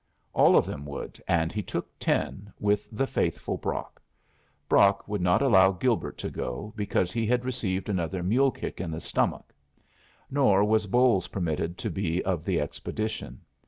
All of them would, and he took ten, with the faithful Brock. Brock would not allow Gilbert to go, because he had received another mule kick in the stomach. Nor was Bolles permitted to be of the expedition.